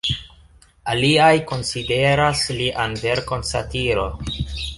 Aliaj konsideras lian verkon satiro.